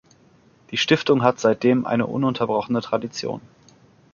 Die Stiftung hat seitdem eine ununterbrochene Tradition.